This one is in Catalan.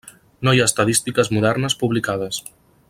No hi ha estadístiques modernes publicades.